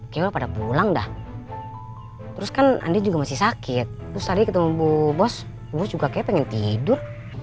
kita pada pulang dah terus kan andi juga masih sakit terus tadi ketemu bu bos bu juga kayaknya pengen tidur